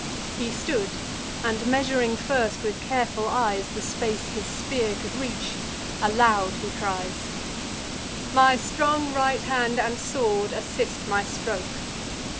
He stood, and, measuring first with careful eyes The space his spear could reach, aloud he cries: "My strong right hand, and sword, assist my stroke!